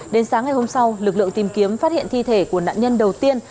đến sáng ngày hôm sau lực lượng tìm kiếm phát hiện thi thể của nạn nhân đầu tiên